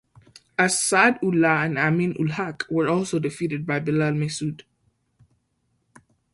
Asad Ullah and Amin Ul Haq were also defeated by Bilal Mehsud.